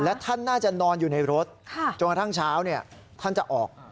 และท่านน่าจะนอนอยู่ในรถจนกระทั่งเช้าท่านจะออก